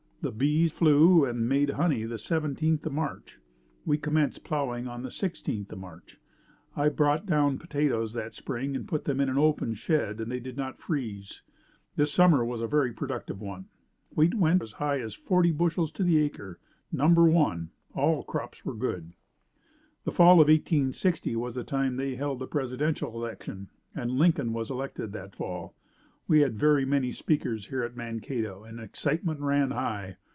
The bees flew and made honey the seventeenth of March. We commenced plowing on the sixteenth of March. I brought down potatoes that spring and put them in an open shed and they did not freeze. This summer was a very productive one. Wheat went as high as forty bushels to the acre, No. 1. All crops were good. The fall of 1860 was the time they held presidential election and Lincoln was elected that fall. We had very many speakers here at Mankato and excitement ran high.